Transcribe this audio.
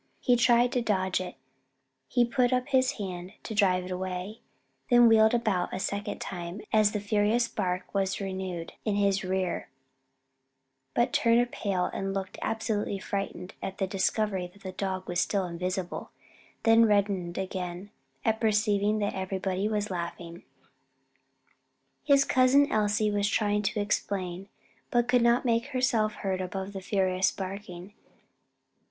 He tried to dodge it, he put up his hand to drive it away, then wheeled about a second time, as the furious bark was renewed in his rear but turned pale and looked absolutely frightened at the discovery that the dog was still invisible; then reddened again at perceiving that everybody was laughing. His cousin Elsie was trying to explain, but could not make herself heard above the furious barking.